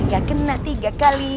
gak kena tiga kali